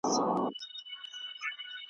نو! زما نصيب دې گرانې وخت د ماځيگر ووهي